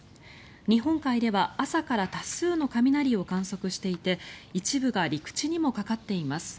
日本海では朝から多数の雷を観測していて一部が陸地にもかかっています。